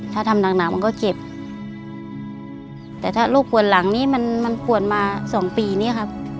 ถ้าทำหนักหนาวมันก็เจ็บแต่ถ้าลูกปวดหลังนี้มันมันปวดมาสองปีนี้ครับ